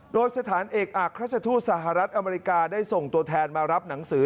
โดยสถานเอกอักราชทูตสหรัฐอเมริกาได้ส่งตัวแทนมารับหนังสือ